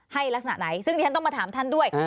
ลักษณะไหนซึ่งดิฉันต้องมาถามท่านด้วย